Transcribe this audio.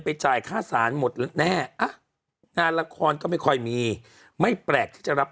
จ่ายค่าสารหมดแน่งานละครก็ไม่ค่อยมีไม่แปลกที่จะรับ